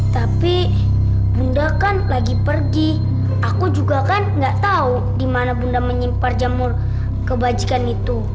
tapi bunda kan lagi pergi aku juga kan gak tau dimana bunda menyimpar jamur kebajikan itu